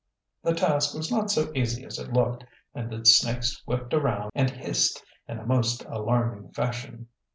The task was not so easy as it looked, and the snakes whipped around and hissed in a most alarming fashion.